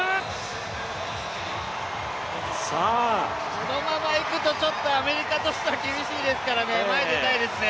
このままいくと、アメリカとしては厳しいですから前に出たいですね。